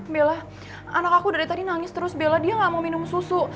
bella anak aku dari tadi nangis terus bella dia gak mau minum susu